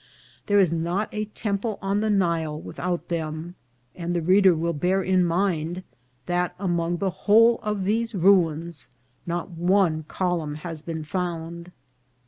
There is not a temple on the Nile without them ; and the reader will bear in mindj that among the whole of these ruins not one col umn has been found.